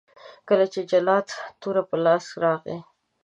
کله چې جلات توره په لاس راغی.